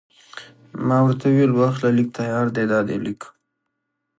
ما ورته وویل: واخله، لیک تیار دی، دا دی لیک.